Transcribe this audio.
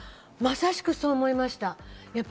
まさしくそう思いました。